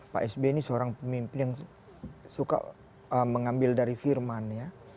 pak sby ini seorang pemimpin yang suka mengambil dari firman ya